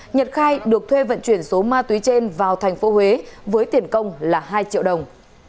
nhật khai được thuê vận chuyển số ma túy trên vào thành phố huế với tiền công là hai triệu đồng